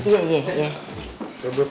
ke depan dulu ya bu